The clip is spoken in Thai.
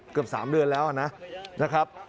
เกือบ๓เดือนแล้วนะครับ